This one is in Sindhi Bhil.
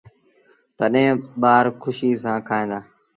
تڏهيݩ ٻآر کُشيٚ سآݩ کائيٚݩدآ۔